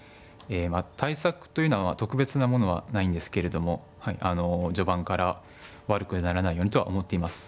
対策というのは特別なものはないんですけれども序盤から悪くならないようにとは思っています。